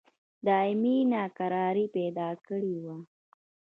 دایمي ناکراري پیدا کړې وه.